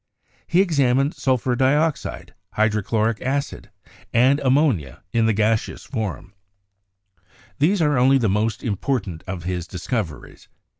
He examined sulphur dioxide, hydrochloric acid, and am n8 CHEMISTRY monia in the gaseous form. These are only the most im portant of his discoveries.